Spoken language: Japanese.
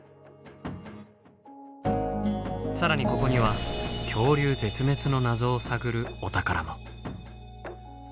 更にここには「恐竜絶滅の謎」を探るお宝も。